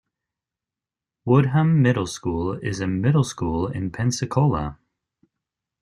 Woodham Middle School is a middle school in Pensacola.